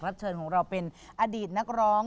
เชิญของเราเป็นอดีตนักร้อง